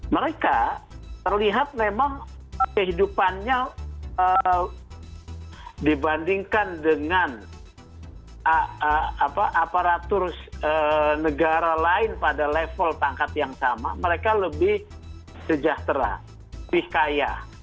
mereka terlihat memang kehidupannya dibandingkan dengan aparatur negara lain pada level pangkat yang sama mereka lebih sejahtera lebih kaya